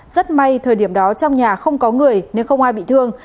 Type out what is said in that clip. rất may thời điểm đó trong nhà không có người nên không ai bị thương